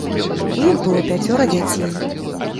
У іх было пяцёра дзяцей.